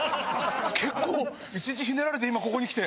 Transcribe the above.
結構１日ひねられて今ここに来て。